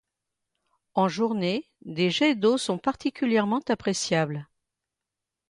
En journée, des jets d'eaux sont particulièrement appréciables.